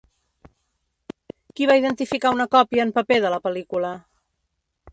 Qui va identificar una còpia en paper de la pel·lícula?